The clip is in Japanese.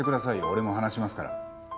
俺も話しますから。